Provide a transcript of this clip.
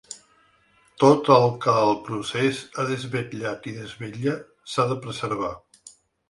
Tot el que el procés ha desvetllat i desvetlla s’ha de preservar.